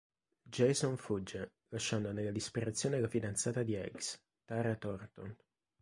Jason fugge, lasciando nella disperazione la fidanzata di Eggs, Tara Thornton.